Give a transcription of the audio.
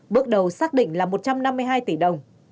bước đầu xác định là một trăm năm mươi hai tỷ đồng